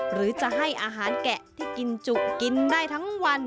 หรือจะให้อาหารแกะที่กินจุกินได้ทั้งวัน